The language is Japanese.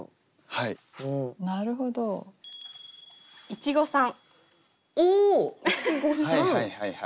はいはいはいはい。